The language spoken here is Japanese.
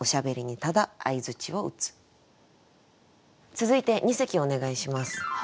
続いて二席お願いします。